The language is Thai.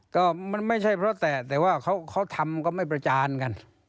ก็มันไม่ใช่เพราะแต่แต่ว่าเขาทำก็ไม่ประจานกัน